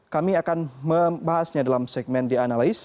kami akan membahasnya dalam segmen the analyst